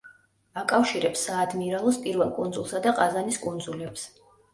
აკავშირებს საადმირალოს პირველ კუნძულსა და ყაზანის კუნძულებს.